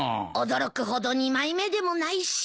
驚くほど二枚目でもないし。